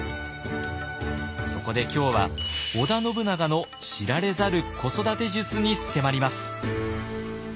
そこで今日は織田信長の知られざる子育て術に迫ります。